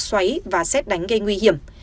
xoáy và xét đánh gây nguy hiểm